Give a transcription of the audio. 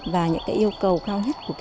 và những yêu cầu cao nhất của kỳ thi